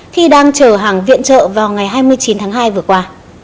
khi đang chở hàng viện trợ vào ngày hai mươi chín tháng hai vừa qua